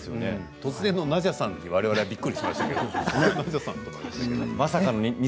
突然のナジャさんにわれわれ、びっくりしました。